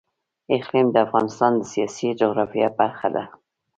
اقلیم د افغانستان د سیاسي جغرافیه برخه ده.